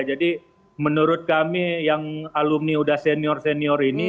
jadi menurut kami yang alumni sudah senior senior ini